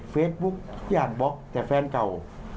เฟซบุ๊กทุกอย่างบล็อกแต่แฟนเก่า